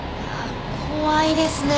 怖いですね。